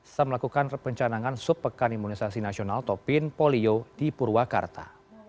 setelah melakukan pencanangan subpekan imunisasi nasional topin polio di purwakarta